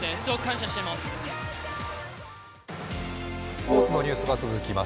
スポーツのニュースが続きます。